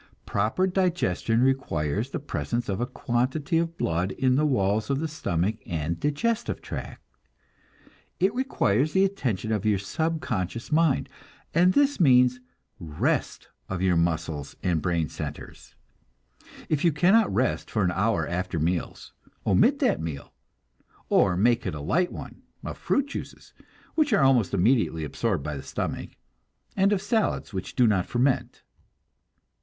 Proper digestion requires the presence of a quantity of blood in the walls of the stomach and digestive tract. It requires the attention of your subconscious mind, and this means rest of muscles and brain centers. If you cannot rest for an hour after meals, omit that meal, or make it a light one, of fruit juices, which are almost immediately absorbed by the stomach, and of salads, which do not ferment.